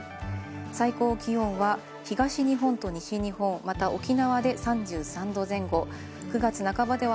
最高気温は東日本と西日本、また沖縄で３３度前後、９月半ばでは